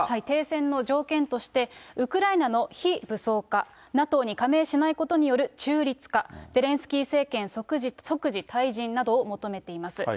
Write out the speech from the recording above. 停戦の条件として、ウクライナの非武装化、ＮＡＴＯに加盟しないことによる中立化、ゼレンスキー政権即時退陣などを求めています。